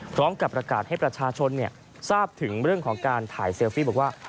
พร้อมกับประกาศให้ประชาชนทราบถึงเรื่องของการถ่ายเซลฟี่บอกว่า